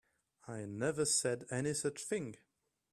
I never said any such thing.